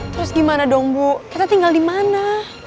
terus gimana dong bu kita tinggal dimana